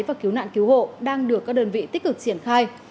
và cứu nạn cứu hộ đang được các đơn vị tích cực triển khai